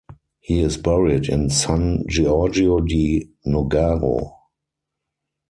He is buried in San Giorgio di Nogaro.